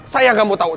saya gak mau tahu